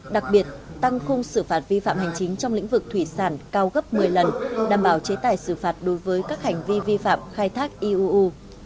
đặc biệt tăng khung xử phạt vi phạm hành chính trong lĩnh vực thủy sản cao gấp một mươi lần đảm bảo chế tài xử phạt đối với các hành vi vi phạm khai thác iuu